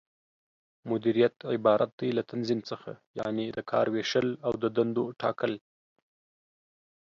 مديريت عبارت دى له تنظيم څخه، یعنې د کار وېشل او د دندو ټاکل